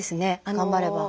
頑張れば。